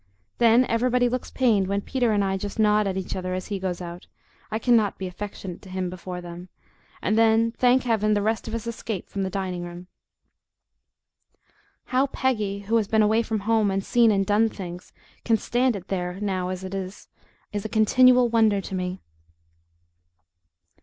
Then everybody looks pained when Peter and I just nod at each other as he goes out I cannot be affectionate to him before them and then, thank Heaven! the rest of us escape from the dining room. How Peggy, who has been away from home and seen and done things, can stand it there now as it is, is a continual wonder to me.